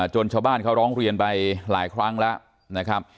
จนชาวบ้านเขาร้องเรียนไปหลายครั้งแล้ว